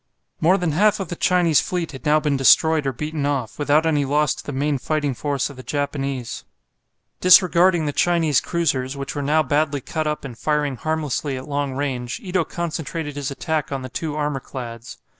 More than half of the Chinese fleet had now been destroyed or beaten off, without any loss to the main fighting force of the Japanese. Disregarding the Chinese cruisers, which were now badly cut up and firing harmlessly at long range, Ito concentrated his attack on the two armour clads.